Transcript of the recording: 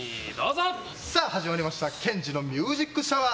始まりました「ＫＥＮＪＩのミュージックシャワー」。